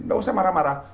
gak usah marah marah